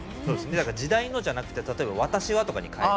だから「時代の」じゃなくて例えば「私は」とかに変えて。